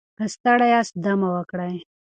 که ستړي یاست دم وکړئ.